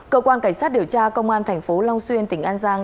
cơ quan cảnh sát điều tra công an tp long xuyên tỉnh an giang